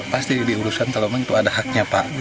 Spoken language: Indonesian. pasti diurusan kalau memang itu ada haknya pak